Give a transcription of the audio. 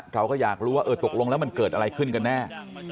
เราก็อยากรู้ว่าเออตกลงแล้วมันเกิดอะไรขึ้นกันแน่